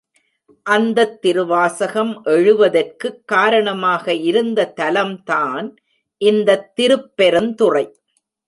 அந்தத் திருவாசகம் எழுவதற்குக் காரணமாக இருந்த தலம் தான் இந்தத் திருப்பெருந்துறை.